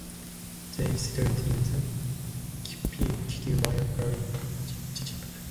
They settled in the Chuquimayo Valley, Chinchipe.